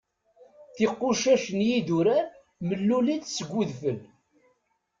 Tiqucac n yidurar mellulit seg udfel.